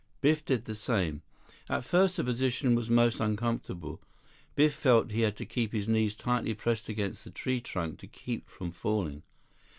Biff did the same. At first, the position was most uncomfortable. Biff felt he had to keep his knees tightly pressed against the tree trunk to keep from falling.